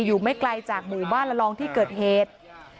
อยู่ไม่ไกลจากหมู่บ้านละลองที่เกิดเหตุ